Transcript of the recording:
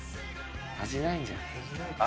味ないんじゃん？